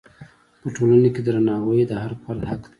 په ټولنه کې درناوی د هر فرد حق دی.